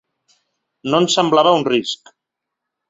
No ens semblava un risc.